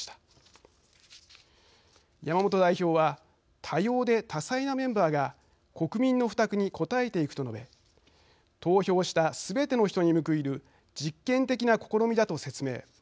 山本代表は「多様で多彩なメンバーが国民の負託に応えていく」と述べ投票したすべての人に報いる実験的な試みだと説明。